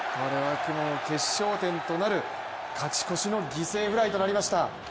決勝点となる、勝ち越しの犠牲フライとなりました。